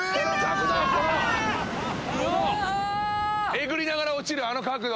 えぐりながら落ちるあの角度。